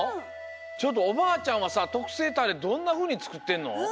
ちょっとおばあちゃんはさとくせいタレどんなふうにつくってんの？